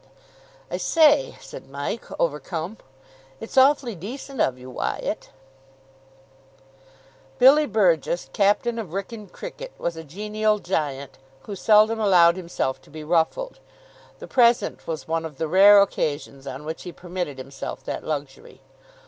"I say," said Mike, overcome, "it's awfully decent of you, Wyatt." Billy Burgess, captain of Wrykyn cricket, was a genial giant, who seldom allowed himself to be ruffled. The present was one of the rare occasions on which he permitted himself that luxury.